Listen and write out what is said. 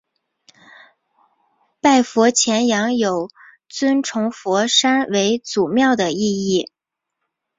拜佛钳羊有尊崇佛山为祖庙的意义。